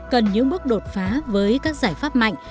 cần những bước đột phá với các giải pháp mạnh